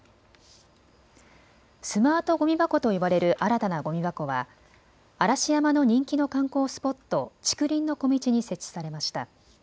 スマートごみ箱と呼ばれる新たなごみ箱は嵐山の人気の観光スポット、竹林の小径に設置されました。